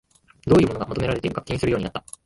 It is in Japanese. どういうものが求められるか気にするようになった